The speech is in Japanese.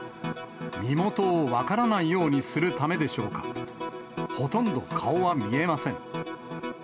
身元を分からないようにするためでしょうか、ほとんど顔は見えません。